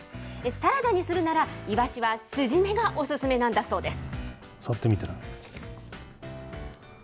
サラダにするなら、いわしは酢締めがお薦めなんだそうです。